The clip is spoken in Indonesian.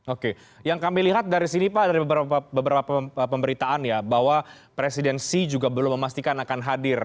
oke yang kami lihat dari sini pak dari beberapa pemberitaan ya bahwa presidensi juga belum memastikan akan hadir